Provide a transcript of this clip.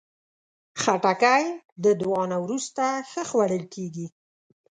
خټکی د دعا نه وروسته ښه خوړل کېږي.